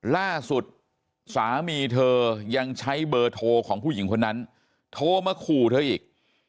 ล่าสุดสามีเธอยังใช้เบอร์โทรของผู้หญิงคนนั้นโทรมาขู่เธออีก